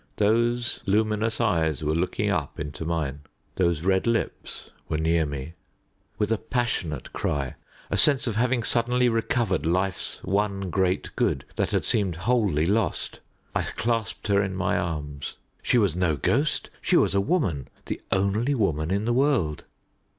Those luminous eyes were looking up into mine those red lips were near me. With a passionate cry a sense of having suddenly recovered life's one great good, that had seemed wholly lost I clasped her in my arms. She was no ghost she was a woman the only woman in the world.